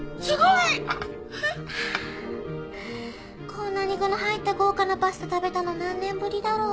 こんなに具の入った豪華なパスタ食べたの何年ぶりだろう？